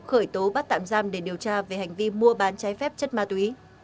khởi tố bắt tạm giam để điều tra về hành vi mua bán trái phép chất ma túy